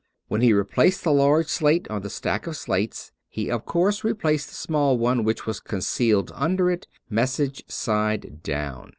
When he replaced the large slate on the stack of slates, he, of course, replaced the small one which was concealed under it, message side down.